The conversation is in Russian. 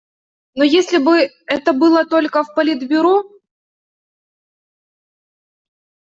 Но если бы это было только в Политбюро.